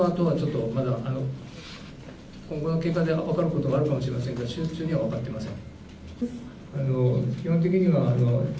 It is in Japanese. その後今後の結果で分かることもあるかもしれませんが現時点で分かってません。